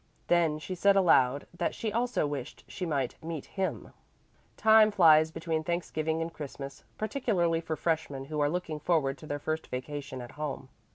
Then she said aloud that she also wished she might meet "him." Time flies between Thanksgiving and Christmas, particularly for freshmen who are looking forward to their first vacation at home.